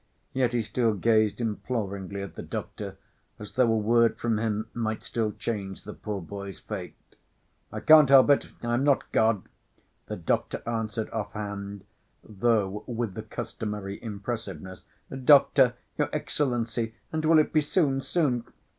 Yet he still gazed imploringly at the doctor, as though a word from him might still change the poor boy's fate. "I can't help it, I am not God!" the doctor answered offhand, though with the customary impressiveness. "Doctor ... your Excellency ... and will it be soon, soon?"